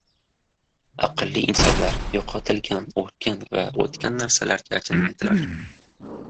• Aqlli insonlar yo‘qotilgan, o‘lgan va o‘tgan narsalarga achinmaydilar.